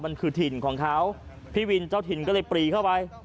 มันคือถิ่นของเขาพี่วินเจ้าถิ่นก็เลยปรีเข้าไป